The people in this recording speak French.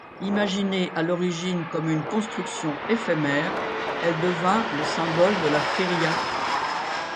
Imaginée à l'origine comme une construction éphémère, elle devint le symbole de la feria.